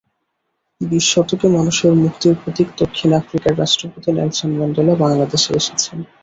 বিশ শতকে মানুষের মুক্তির প্রতীক দক্ষিণ আফ্রিকার রাষ্ট্রপতি নেলসন ম্যান্ডেলা বাংলাদেশে এসেছেন।